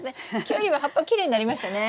キュウリは葉っぱきれいになりましたね。